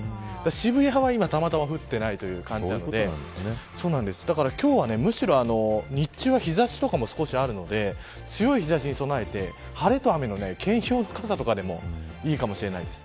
渋谷は今たまたま降っていないという感じなのでだから、今日はむしろ日中は日差しとかも少しあるので強い日差しに備えて、晴れと雨の兼用傘でもいいかもしれないです。